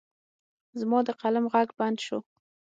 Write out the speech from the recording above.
زما د قلم غږ بند شو.